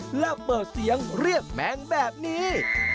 เพื่อเปิดเสียงเรียกแมงแบบนี้